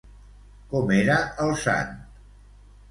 Com era el Sant?